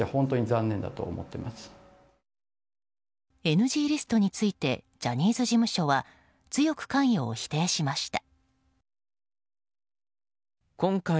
ＮＧリストについてジャニーズ事務所は強く関与を否定しました。